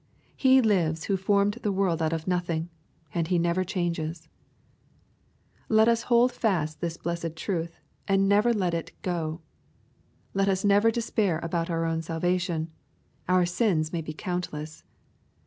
He lives who formed the world out of nothing, and He never changes. Let us hold fast this blessed truth, and never let it go Let us never despair about our own salvation. Our sins may be countless.